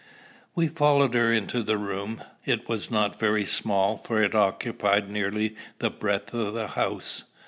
We followed her into the room. It was not very small, for it occupied nearly the breadth of the house.